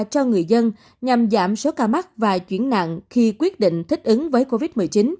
cho người dân nhằm giảm số ca mắc và chuyển nặng khi quyết định thích ứng với covid một mươi chín